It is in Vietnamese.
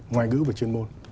ngoài ngữ và chuyên môn